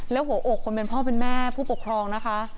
แล้วหัวอกคนเป็นพ่อเป็นแม่ผู้ปกครองนะคะ